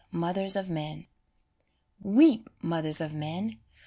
45 MOTHERS OF MEN Weep, mothers of men